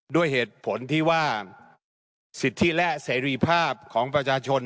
ด้วยเหตุผลที่ว่าสิทธิและเสรีภาพของประชาชน